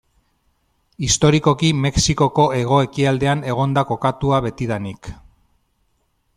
Historikoki Mexikoko hego-ekialdean egon da kokatua betidanik.